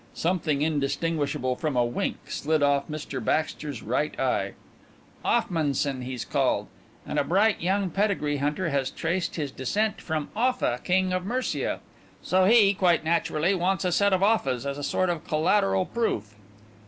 Something indistinguishable from a wink slid off Mr Baxter's right eye. "Offmunson he's called, and a bright young pedigree hunter has traced his descent from Offa, King of Mercia. So he quite naturally wants a set of Offas as a sort of collateral proof."